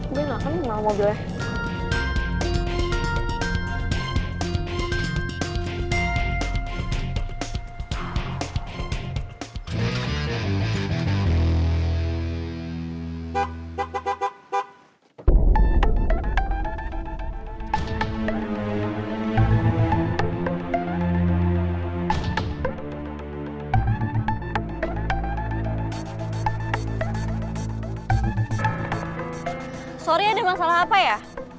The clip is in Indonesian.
gue gak akan kenal mobilnya